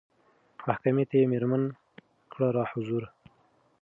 محکمې ته یې مېرمن کړه را حضوره